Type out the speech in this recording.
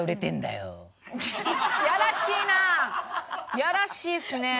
やらしいっすね。